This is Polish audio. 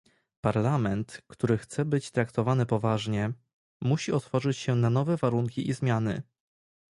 Parlament, który chce być traktowany poważnie, musi otworzyć się na nowe warunki i zmiany